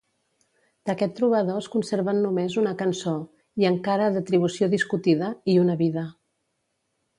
D'aquest trobador es conserven només una cançó, i encara d'atribució discutida, i una vida.